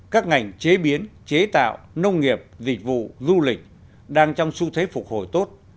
các ngành chế biến chế tạo nông nghiệp dịch vụ du lịch đang trong xu thế phục hồi tốt